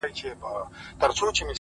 د ښایستونو خدایه سر ټيټول تاته نه وه!!